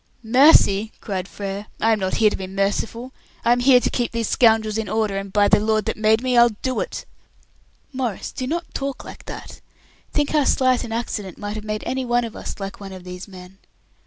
"Mercy!" cried Frere. "I am not here to be merciful; I am here to keep these scoundrels in order, and by the Lord that made me, I'll do it!" "Maurice, do not talk like that. Think how slight an accident might have made any one of us like one of these men.